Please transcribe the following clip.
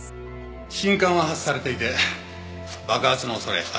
信管は外されていて爆発の恐れはありません。